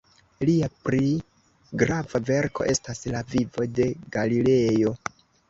Lia pli grava verko estas "La vivo de Galilejo".